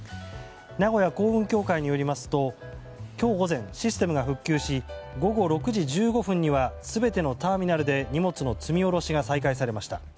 名古屋港運協会によりますと今日午前システムが復旧し午後６時１５分には全てのターミナルで荷物の積み下ろしが再開されました。